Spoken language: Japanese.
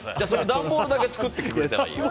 段ボールだけ作ってきてくれたらいいよ。